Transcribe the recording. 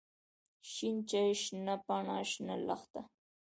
شين چای، شنه پاڼه، شنه لښته.